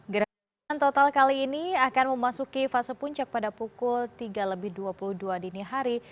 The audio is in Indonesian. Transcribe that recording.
gerakan total kali ini akan memasuki fase puncak pada pukul tiga lebih dua puluh dua dini hari